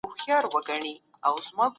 موږ ته په کار ده چي نړۍ ته نوی رنګ ورکړو.